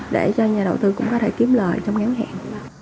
để cho nhà đầu tư cũng có thể kiếm lời trong ngán hẹn